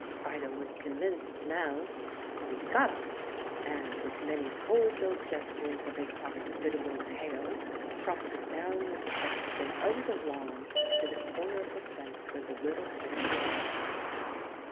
Fido was convinced now, so he got up, and with many cordial gestures of his hospitable tail, trotted down the steps and over the lawn to the corner of the fence where the little stranger was.